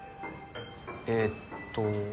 えっと